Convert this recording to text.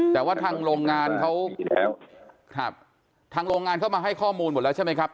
แต่ว่าทางโรงงานเขาครับทางโรงงานเข้ามาให้ข้อมูลหมดแล้วใช่ไหมครับ